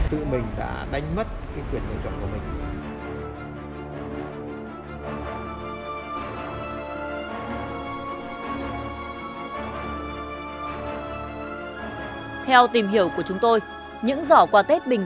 tự mình đã đánh mất quyền quan trọng của mình